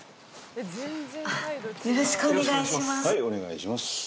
お願いします。